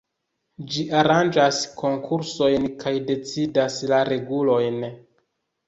Ĝi aranĝas konkursojn kaj decidas la regulojn.